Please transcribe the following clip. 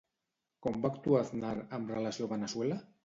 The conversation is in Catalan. Com va actuar Aznar amb relació a Veneçuela?